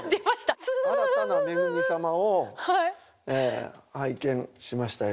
新たなめぐみ様を拝見しましたよ。